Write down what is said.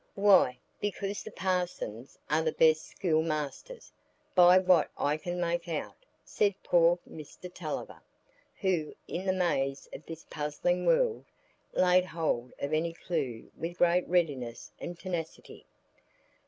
"Why, because the parsons are the best schoolmasters, by what I can make out," said poor Mr Tulliver, who, in the maze of this puzzling world, laid hold of any clue with great readiness and tenacity.